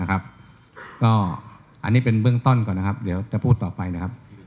อันนี้เป็นเบื้องต้อนก่อนวันนี้พูดต่อไป